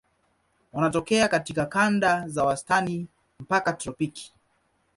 Wanatokea katika kanda za wastani mpaka tropiki.